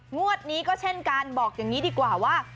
งวดนี้ก็เช่นกันบอกอย่างนี้ดีกว่าว่า